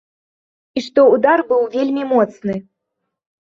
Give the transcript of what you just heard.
І што ўдар быў вельмі моцны.